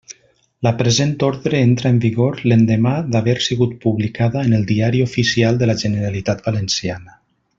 La present ordre entra en vigor l'endemà d'haver sigut publicada en el Diari Oficial de la Generalitat Valenciana.